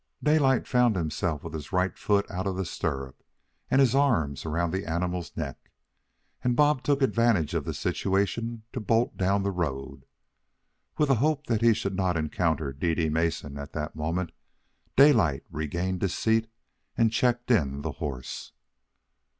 Daylight found himself with his right foot out of the stirrup and his arms around the animal's neck; and Bob took advantage of the situation to bolt down the road. With a hope that he should not encounter Dede Mason at that moment, Daylight regained his seat and checked in the horse.